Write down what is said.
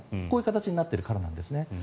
こういう形になっているからなんですね。